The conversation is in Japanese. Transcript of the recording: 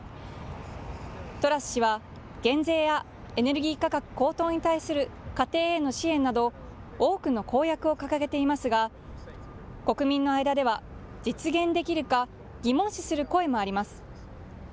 トラス氏は減税やエネルギー価格高騰に対する家庭への支援など、多くの公約を掲げていますが、国民の間では実現できるか疑問視する声もあります。